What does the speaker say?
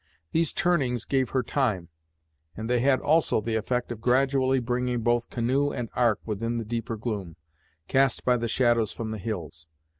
These turnings gave her time, and they had also the effect of gradually bringing both canoe and Ark within the deeper gloom, cast by the shadows from the hills.